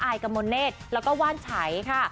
อายกับมณและว่านไฉค่ะ